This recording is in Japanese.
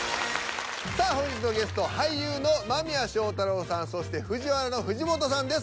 さあ本日のゲスト俳優の間宮祥太朗さんそしてＦＵＪＩＷＡＲＡの藤本さんです。